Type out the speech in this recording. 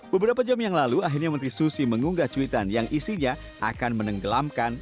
beberapa jam yang lalu akhirnya menteri susi mengunggah cuitan yang isinya akan menenggelamkan